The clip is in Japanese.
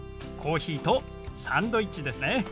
コーヒーとサンドイッチですね。